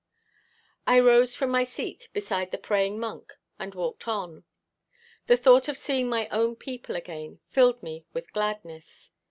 I rose from my seat beside the praying monk, and walked on. The thought of seeing my own people again filled me with gladness.